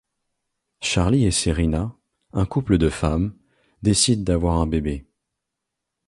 Charlie et Cerina, un couple de femmes, décide d'avoir un bébé.